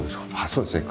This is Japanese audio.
そうですね。